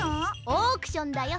オークションだよ。